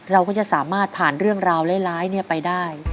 เราก็จะสามารถผ่านเรื่องราวร้ายไปได้